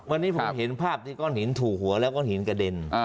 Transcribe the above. วันนี้ผมเห็นภาพที่ก้อนหินถูกหัวแล้วก้อนหินกระเด็น